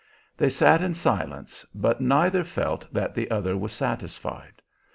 They sat in silence, but neither felt that the other was satisfied.